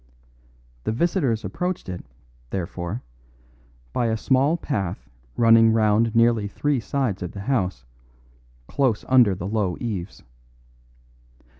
The visitors approached it, therefore, by a small path running round nearly three sides of the house, close under the low eaves.